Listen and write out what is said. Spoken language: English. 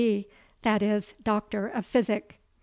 D., that is, Doctor of Physic."